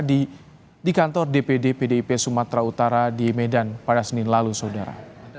di kantor dpd pdip sumatera utara di medan pada senin lalu saudara